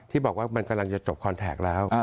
ที่บอกว่ามันกำลังจะจบคอนแท็กแล้ว